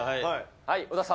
はい、小田さん。